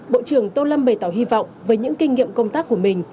bộ trưởng tô lâm bày tỏ hy vọng với những kinh nghiệm công tác của mình